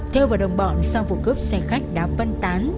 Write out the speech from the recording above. theo vào đồng bọn sau vụ cướp xe khách đã vân tán